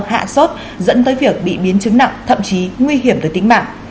hạ sốt dẫn tới việc bị biến chứng nặng thậm chí nguy hiểm tới tính mạng